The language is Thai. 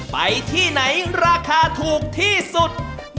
ไปที่ไหนราคาถูกที่สุด